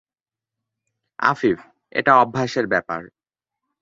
আফিফ: এটা অভ্যাসের ব্যাপার।